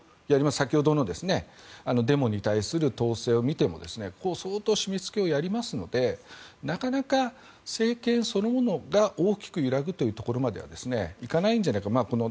先ほどのデモに対する統制を見ても相当、締め付けをやりますのでなかなか政権そのものが大きく揺らぐところまではいかないんじゃないかと。